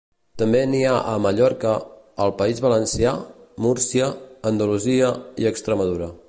També n'hi ha a Mallorca, al País Valencià, Múrcia, Andalusia i Extremadura.